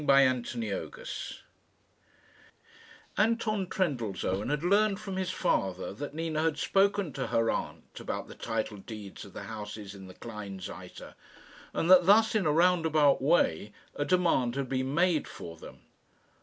CHAPTER VI Anton Trendellsohn had learned from his father that Nina had spoken to her aunt about the title deeds of the houses in the Kleinseite, and that thus, in a roundabout way, a demand had been made for them.